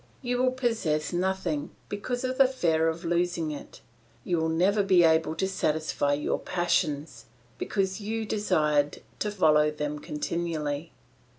You will possess nothing because of the fear of losing it; you will never be able to satisfy your passions, because you desired to follow them continually.